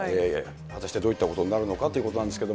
果たして、どういったことになるのかということなんですけど。